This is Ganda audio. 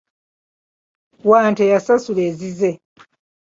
Wante yasasula ezize.